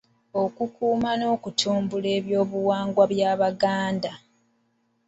Okukuuma n’okutumbula eby’Obuwangwa by’Abaganda.